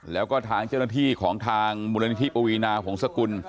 แล้วก็ทางเจ้าหน้าที่ของทางมูลนิธิปวีนาหงษกุล